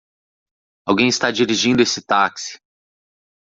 Alguém está dirigindo esse táxi.